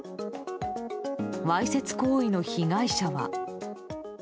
わいせつ行為の被害者は。